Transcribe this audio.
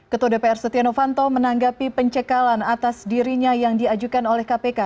ketua dpr setia novanto menanggapi pencekalan atas dirinya yang diajukan oleh kpk